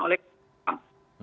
oleh komnas ham